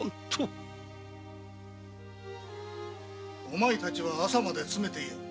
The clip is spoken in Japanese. お前たちは朝まで詰めていろ。